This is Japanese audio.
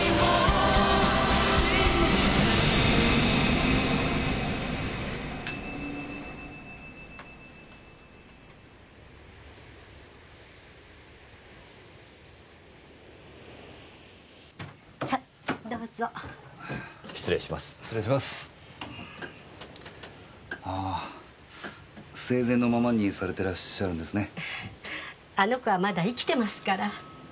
ええあの子はまだ生きてますから。